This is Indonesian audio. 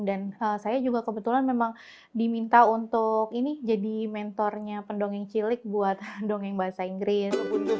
dan saya juga kebetulan memang diminta untuk ini jadi mentornya pendongeng cilik buat dongeng bahasa inggris